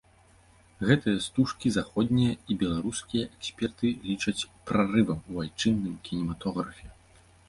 Гэтыя стужкі заходнія і беларускія эксперты лічаць прарывам у айчынным кінематографе.